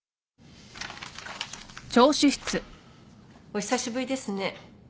お久しぶりですね。